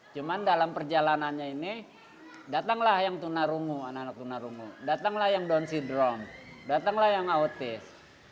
cuma dalam perjalanannya ini datanglah yang tuna rungu datanglah yang down syndrome datanglah yang autis